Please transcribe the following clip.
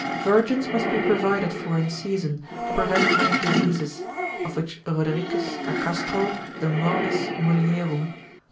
Virgins must be provided for in season, to prevent many diseases, of which Rodericus a Castro de morbis mulierum, lib.